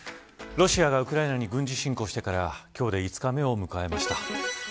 ロシアがウクライナに軍事侵攻してから今日で５日目を迎えました。